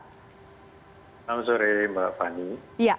selamat sore mbak fani